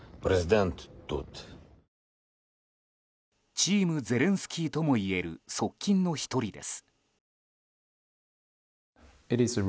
チーム・ゼレンスキーともいえる側近の１人です。